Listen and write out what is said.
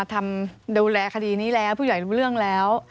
ทำดูแลคดีนี้แล้วผู้ใหญ่รู้เรื่องแล้ว